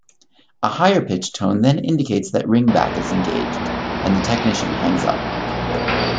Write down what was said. A higher pitched tone then indicates ringback is engaged, and the technician hangs up.